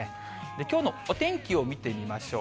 きょうのお天気を見てみましょう。